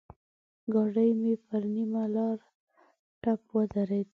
ګاډی مې پر نيمه لاره ټپ ودرېد.